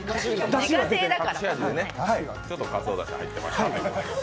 ちょっとかつおだし入ってました。